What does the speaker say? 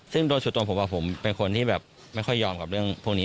ซึ่งโดยส่วนตัวผมผมเป็นคนที่แบบไม่ค่อยยอมกับเรื่องพวกนี้